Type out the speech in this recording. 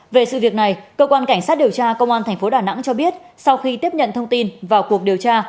về sự việc này cơ quan cảnh sát điều tra công an tp đà nẵng cho biết sau khi tiếp nhận thông tin vào cuộc điều tra